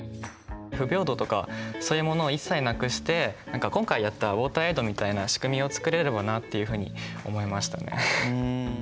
不平等とかそういうものを一切なくして今回やったウォーターエイドみたいな仕組みを作れればなっていうふうに思いましたね。